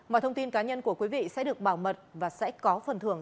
mọi thông tin cá nhân của quý vị sẽ được bảo mật và sẽ có phần thưởng